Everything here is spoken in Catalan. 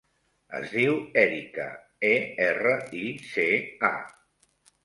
Es diu Erica: e, erra, i, ce, a.